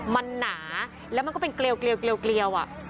มันหนาแล้วมันก็เป็นเกลียว